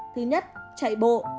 thứ nhất chạy bộ